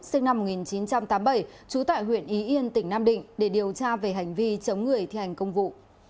sinh năm một nghìn chín trăm tám mươi bảy trú tại huyện ý yên tỉnh nam định để điều tra về hành vi chống người thi hành công vụ